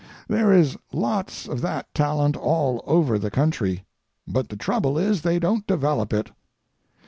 There is lots of that talent all over the country, but the trouble is they don't develop it.